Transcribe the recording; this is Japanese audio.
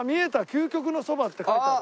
「究極のそば」って書いてある。